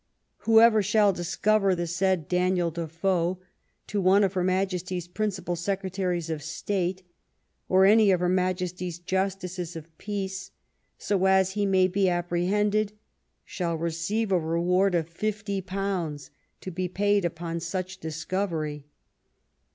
Whoever shall discover the said Daniel De Foe to one of her Majesty's principal secretaries of State or any of her Majesty's justices of peace so as he may be appre hended shall have a reward of fifty pounds to be paid upon such discovery."